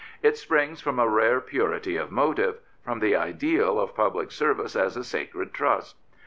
It springs from a rare purity of motive, from the ideal of public service as a sacred trust.